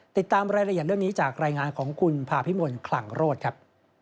ติดตามรายละเอียดเรื่องนี้จากรายงานของคุณภาพิมลคลังโรธครับ